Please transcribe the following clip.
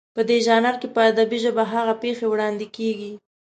په دې ژانر کې په ادبي ژبه هغه پېښې وړاندې کېږي